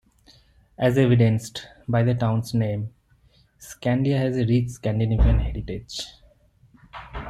As evidenced by the town's name, Scandia has a rich Scandinavian heritage.